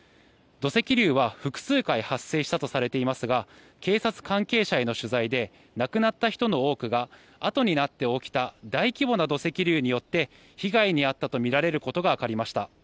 土石流は複数回発生したとされていますが警察関係者への取材で亡くなった人の多くがあとになって起きた大規模な土石流によって被害に遭ったとみられることがわかりました。